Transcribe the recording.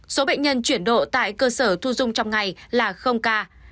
số bệnh nhân chuyển độ tại cơ sở thu dung trong ngày là ca